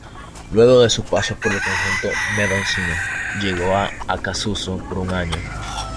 Luego de su paso por el conjunto mendocino llegó a Acassuso por un año.